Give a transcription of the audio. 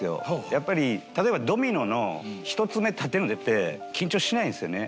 やっぱり例えばドミノの１つ目立てるのって緊張しないんですよね。